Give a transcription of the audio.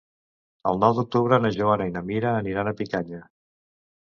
El nou d'octubre na Joana i na Mira aniran a Picanya.